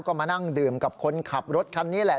ก็มานั่งดื่มกับคนขับรถคันนี้แหละ